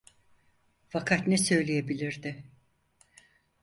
Fakat ne söyleyebilirdi?